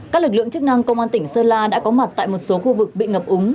các lực lượng chức năng công an tỉnh sơn la đã có mặt tại một số khu vực bị ngập úng